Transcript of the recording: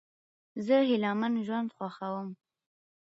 زه هیلهمن ژوند خوښوم.